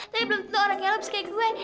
tapi belum tentu orang kayak lo bisa kayak gue